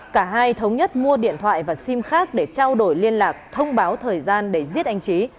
cả hai thống nhất mua điện thoại và sim khác để trao đổi liên lạc thông báo thời gian để giết anh trí